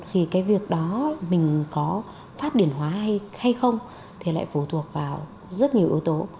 thì cái việc đó mình có pháp điển hóa hay không thì lại phụ thuộc vào rất nhiều yếu tố